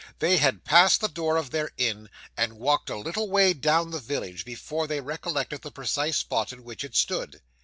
They had passed the door of their inn, and walked a little way down the village, before they recollected the precise spot in which it stood.